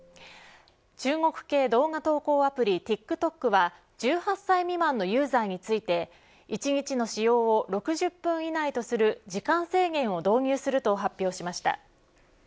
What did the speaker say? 中国系動画投稿アプリＴｉｋｔｏｋは１８歳未満のユーザーについて１日の使用を６０分以内とする時間制限を導入すると発表しました。